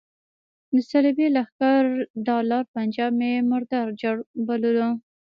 د صلیبي لښکر دلال پنجاب مې مردار جړ بللو.